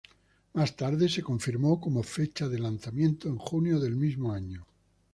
Más tarde se confirmó como fecha de lanzamiento en junio del mismo año.